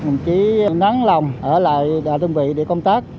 mình chỉ nắng lòng ở lại đại tương vị để công tác